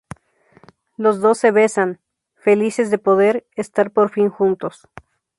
Los dos se besan, felices de poder estar por fin juntos.